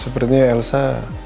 sering banget menangkap elsa